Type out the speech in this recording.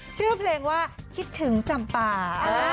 ชื่อเพลงว่าคิดถึงจำปา